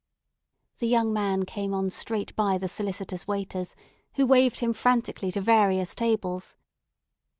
The young man came on straight by the solicitous waiters, who waved him frantically to various tables.